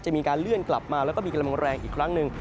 มีการเลื่อนกลับมาแล้วก็มีกำลังแรงอีกครั้งหนึ่ง